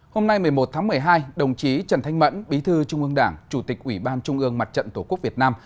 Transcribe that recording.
hôm nay một mươi một tháng một mươi hai đồng chí trần thanh mẫn bí thư trung ương đảng chủ tịch ủy ban trung ương mặt trận tổ quốc việt nam